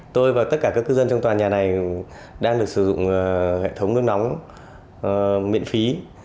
tôi và tất cả các cư dân trong tòa nhà này đang được sử dụng hệ thống nước nóng miễn phí